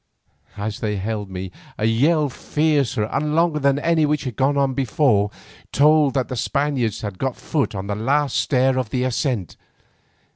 As they held me a yell fiercer and longer than any which had gone before, told that the Spaniards had got foot upon the last stair of the ascent.